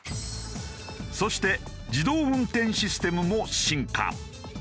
そして自動運転システムも進化。